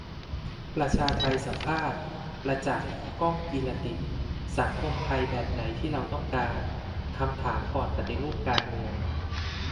ประชาไทสัมภาษณ์ 'ประจักษ์ ก้องกีรติ' :'สังคมไทยแบบไหนที่เราต้องการ' คำถามก่อนปฏิรูปการเมือง